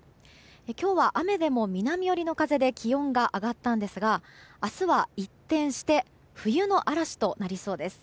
今日は雨でも南寄りの風で気温が上がったんですが明日は一転して冬の嵐となりそうです。